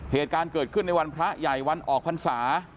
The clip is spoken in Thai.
เหตุการณ์เกิดขึ้นในวันพระใหญ่วันออกพรรษา